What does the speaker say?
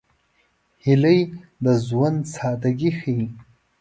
هیلۍ د ژوند سادګي ښيي